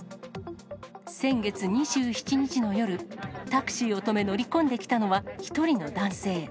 先月２７日の夜、タクシーを止め、乗り込んできたのは１人の男性。